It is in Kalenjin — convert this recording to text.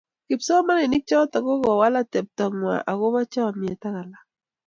Kipsomanik chotok ko kowal atepto ngwai akobo chomiet ak alak